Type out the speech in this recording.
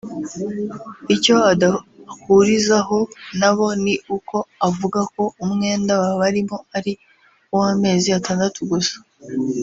Icyo adahurizaho na bo ni uko avuga ko umwenda babarimo ari uw’amezi atandatu gusa